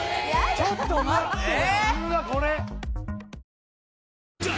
ちょっと待ってよ